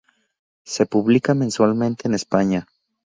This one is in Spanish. Se publica mensualmente en España.